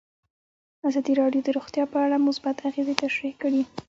ازادي راډیو د روغتیا په اړه مثبت اغېزې تشریح کړي.